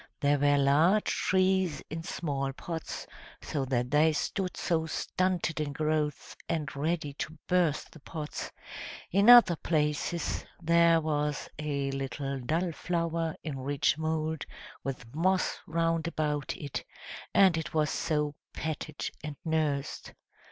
There were large trees in small pots, so that they stood so stunted in growth, and ready to burst the pots; in other places, there was a little dull flower in rich mould, with moss round about it, and it was so petted and nursed.